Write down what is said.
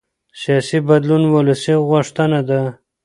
سیاسي بدلون ولسي غوښتنه ده